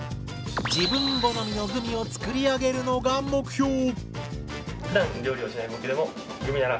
自分好みのグミを作り上げるのが目標。